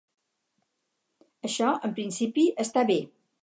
Això, en principi, està bé.